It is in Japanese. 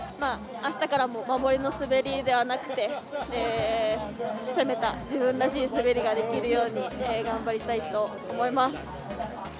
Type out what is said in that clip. あしたからも守りの滑りではなくて、攻めた、自分らしい滑りができるように、頑張りたいと思います。